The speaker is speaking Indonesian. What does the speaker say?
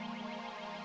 ya aku mau masuk dulu ya